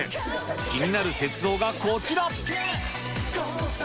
気になる雪像がこちら。